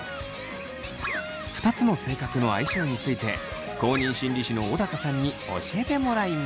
２つの性格の相性について公認心理師の小高さんに教えてもらいます。